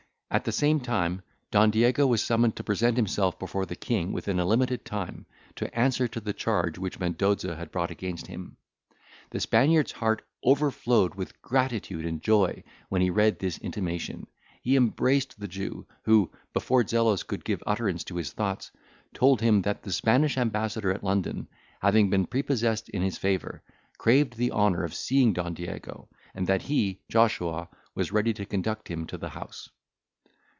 At the same time Don Diego was summoned to present himself before the King within a limited time, to answer to the charge which Mendoza had brought against him. The Spaniard's heart overflowed with gratitude and joy, when he read this intimation; he embraced the Jew, who, before Zelos could give utterance to his thoughts, told him that the Spanish Ambassador at London, having been prepossessed in his favour, craved the honour of seeing Don Diego; and that he, Joshua, was ready to conduct him to the house.